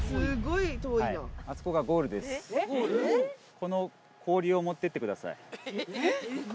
この氷を持っていってくださえ？